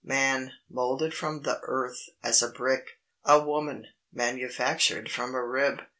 Man, moulded from the earth, as a brick! A Woman, manufactured from a rib!